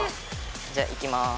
じゃあいきます！